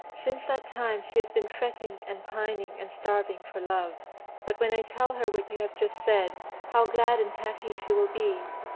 Since that time she has been fretting and pining and starving for love. But when I tell her what you have just said, how glad and happy she will be!